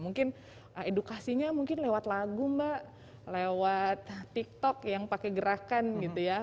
mungkin edukasinya mungkin lewat lagu mbak lewat tiktok yang pakai gerakan gitu ya